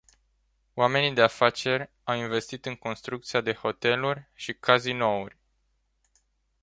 Oamenii de afaceri au investit în construcția de hoteluri și cazinouri.